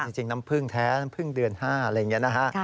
จริงน้ำผึ้งแท้น้ำพึ่งเดือน๕อะไรอย่างนี้นะฮะ